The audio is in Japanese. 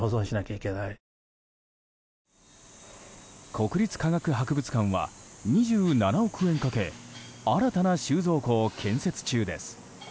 国立科学博物館は２７億円かけ新たな収蔵庫を建設中です。